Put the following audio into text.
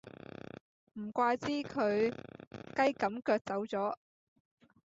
唔怪之佢雞咁腳走左